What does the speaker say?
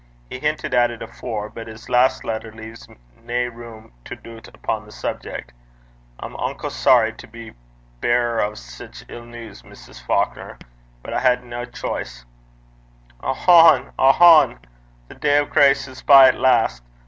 He hintit at it afore, but his last letter leaves nae room to doobt upo' the subjeck. I'm unco sorry to be the beirer o' sic ill news, Mrs. Faukner, but I had nae chice.' 'Ohone! Ohone! the day o' grace is by at last!